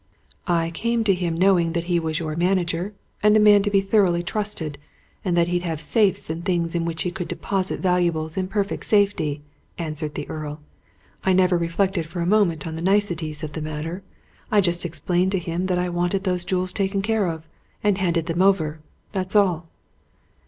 "I came to him knowing that he was your manager, and a man to be thoroughly trusted, and that he'd have safes and things in which he could deposit valuables in perfect safety," answered the Earl. "I never reflected for a moment on the niceties of the matter. I just explained to him that I wanted those jewels taken care of, and handed them over. That's all!"